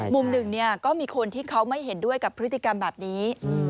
มุมหนึ่งก็มีคนที่เขาไม่เห็นด้วยกับพฤติกรรมแบบนี้